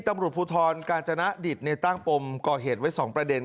ตำรุปูทรกาญจณะดิดในตั้งปมก่อเหตุไว้สองประเด็น